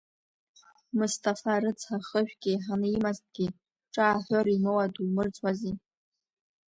Мысҭафа рыцҳа хыжәк еиҳаны имазҭгьы, ҿааҳәыра имоуа думырӡуази?